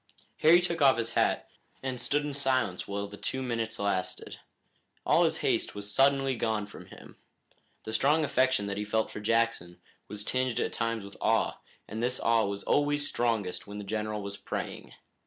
Harry took off his hat and stood in silence while the two minutes lasted. All his haste was suddenly gone from him. The strong affection that he felt for Jackson was tinged at times with awe, and this awe was always strongest when the general was praying.